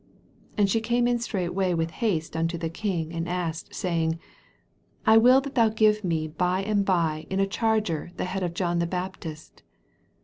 25 And she came in straightway with haste unto the king, and asked, saying, I will that Ihou give me by and by in a charger the head of John the Baptist.